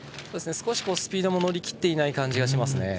少しスピードも乗り切っていない感じがします。